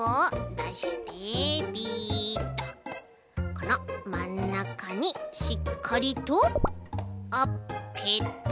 このまんなかにしっかりとあっペタリ！